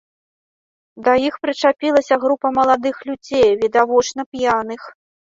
Да іх прычапілася група маладых людзей, відавочна, п'яных.